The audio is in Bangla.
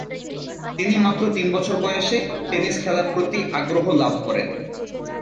তিনি মাত্র তিন বছর বয়সে টেনিস খেলার প্রতি আগ্রহ লাভ করেন।